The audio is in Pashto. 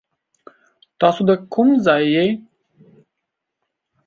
تاسو دا کوم ځای يي ؟